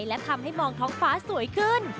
และทำให้มองท้องฟ้าสวยขึ้น